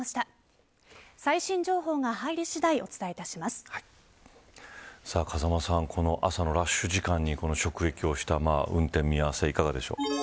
最新情報が入り次第風間さん、朝のラッシュ時間に直撃した運転見合わせいかがですか。